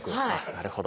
なるほど。